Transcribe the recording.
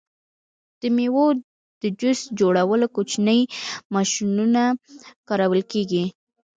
د میوو د جوس جوړولو کوچنۍ ماشینونه کارول کیږي.